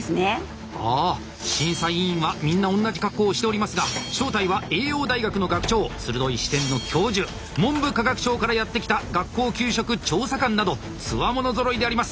ああ審査委員はみんな同じ格好をしておりますが正体は栄養大学の学長鋭い視点の教授文部科学省からやって来た学校給食調査官などつわものぞろいであります。